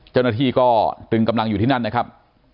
เจ้าหน้าที่ก็ตึงกำลังอยู่ที่นั่นนะครับ